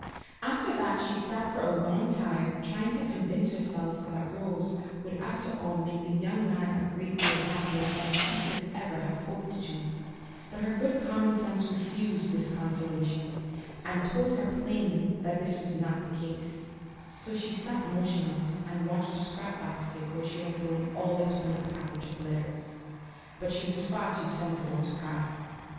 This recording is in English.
After that she sat for a long time trying to convince herself that Rose would after all make the young man a great deal happier than she could ever have hoped to; but her good common sense refused this consolation, and told her plainly that this was not the case ; so she sat motionless, and watched the scrap basket where she had thrown the torn up package of letters ; but she was far too sen sible to cry.